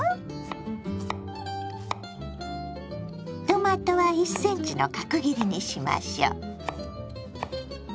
トマトは１センチの角切りにしましょう。